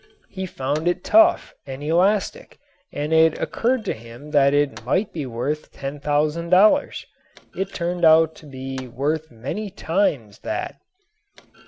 He found it tough and elastic and it occurred to him that it might be worth $10,000. It turned out to be worth many times that.